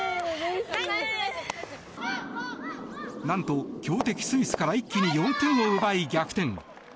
何と、強敵スイスから一気に４点を奪い、逆転。